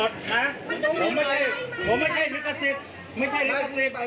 ได้สิไม่ใช่ลิขสิทธิ์จับได้